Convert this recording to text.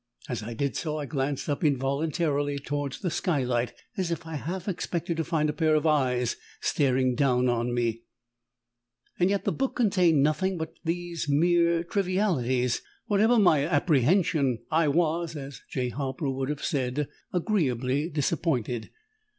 As I did so, I glanced up involuntarily towards the skylight, as if I half expected to find a pair of eyes staring down on me. Yet the book contained nothing but these mere trivialities. Whatever my apprehension, I was (as "J. Harper" would have said) "agreeably disappointed."